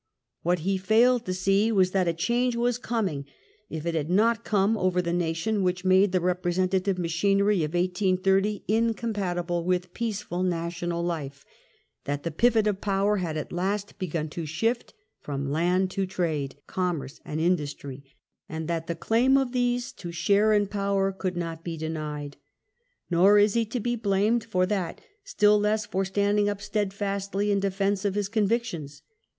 What he failed to see was that a change was coming, if it had not come, over the nation, which made the representative machinery of 1830 in compatible with peaceful national life ; that the pivot of power had at least begun to shift from land to trade, commerce, and industry, and that the claim of these to share in power could not be denied. Nor is he to be blamed for that, still less for standing up steadfastly in defence of his convictions.